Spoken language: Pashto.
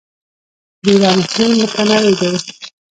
د ایران اقلیم متنوع دی.